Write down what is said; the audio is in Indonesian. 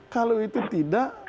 kalau itu tidak